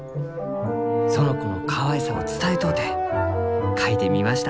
「園子のかわいさを伝えとうて描いてみました」。